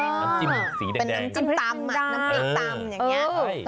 น้ำจิ้มสีแดงเป็นน้ำจิ้มตำน้ำพริกตำอย่างนี้